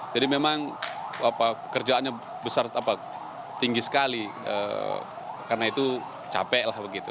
jadi memang kerjaannya besar tinggi sekali karena itu capek lah begitu